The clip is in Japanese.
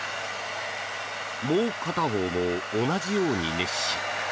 もう片方も同じように熱し。